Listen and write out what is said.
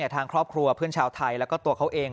ทางครอบครัวเพื่อนชาวไทยแล้วก็ตัวเขาเอง